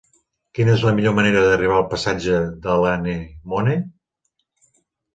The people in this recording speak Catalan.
Quina és la millor manera d'arribar al passatge de l'Anemone?